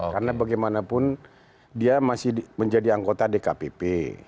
karena bagaimanapun dia masih menjadi anggota dkpp